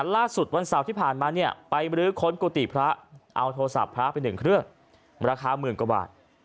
ล่าสุดวันเสาร์ที่ผ่านมาไปบริษัทคนกุฏิพระเอาโทรศัพท์พระไปหนึ่งเครื่องราคาหมื่นกว่าบาท